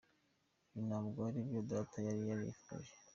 Ibi ntabwo ari byo data yari yarifuje.